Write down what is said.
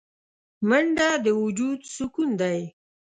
منډه د وجود سکون دی